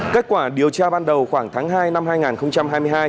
kết quả điều tra ban đầu khoảng tháng hai năm hai nghìn hai mươi hai